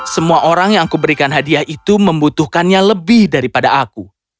semua orang yang aku berikan hadiah itu membutuhkannya lebih daripada aku